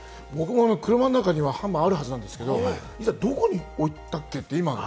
車の中にハンマーあるはずなんですけれども、どこに置いたっけ？